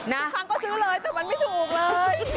บางครั้งก็ซื้อเลยแต่มันไม่ถูกเลย